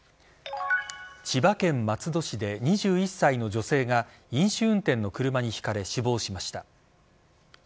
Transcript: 千葉県松戸市で２１歳の女性が飲酒運転の車にひかれ死亡しました。